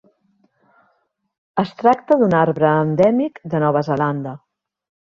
Es tracta d'un arbre endèmic de Nova Zelanda.